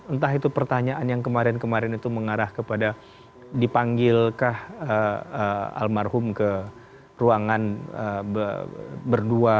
entah itu pertanyaan yang kemarin kemarin itu mengarah kepada dipanggilkah almarhum ke ruangan berdua